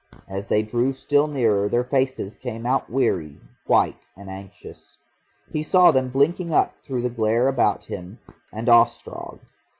As they drew still nearer their faces came out weary, white, and anxious. He saw them blinking up through the glare about him and Ostrog.